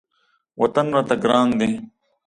وطن راته ګران دی.